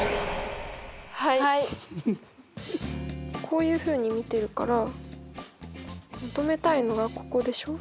こういうふうに見てるから求めたいのがここでしょ。